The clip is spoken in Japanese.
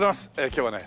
今日はね